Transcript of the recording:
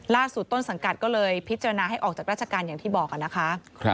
ล่าสุดต้นสังกัดก็เลยพิจารณาให้ออกจากราชการอย่างที่บอกนะคะ